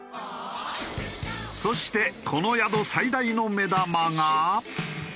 そしてこの宿最大の目玉が。